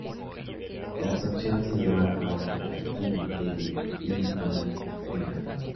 La absorción se lleva a cabo fundamentalmente en el intestino delgado.